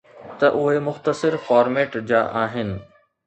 ته اهي مختصر فارميٽ جا آهن